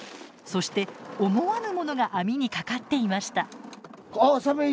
そして思わぬものが網にかかっていました。